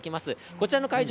こちらの会場